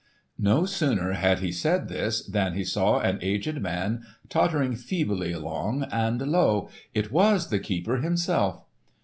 No sooner had he said this, than he saw an aged man tottering feebly along, and lo! it was the keeper himself.